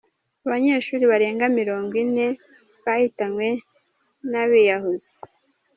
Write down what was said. Abanyeshuri barenga mirongo ine bahitanywe n’abiyahuzi